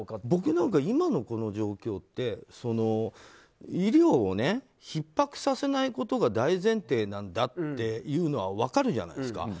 僕なんか今のこの状況って医療をひっ迫させないことが大前提なんだっていうのは分かるじゃないですか。